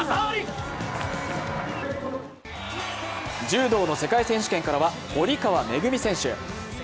柔道の世界選手権からは堀川恵選手。